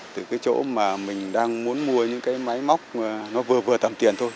từ cái chỗ mà mình đang muốn mua những cái máy móc nó vừa vừa tầm tiền thôi